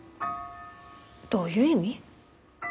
どういう意味？